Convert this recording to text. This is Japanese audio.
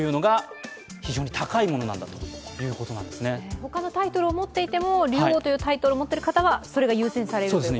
他のタイトルを持っていても竜王というタイトルを持っている方はそれが優先されるということですか。